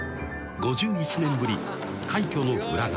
５１年ぶり快挙の裏側